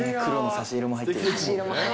差し色も入ってるし。